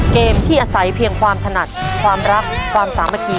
เกมที่อาศัยเพียงความถนัดความรักความสามัคคี